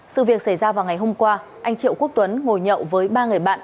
sự việc xảy ra vào ngày hôm qua anh triệu quốc tuấn ngồi nhậu với ba người bạn